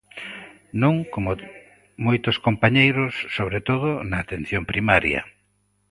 Non como moitos compañeiros, sobre todo na Atención Primaria.